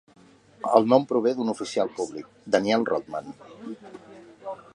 El nom prové d'un oficial públic, Daniel Rodman.